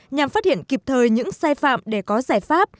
nhằm phát hiện kịp thời những sai phạm để có giải pháp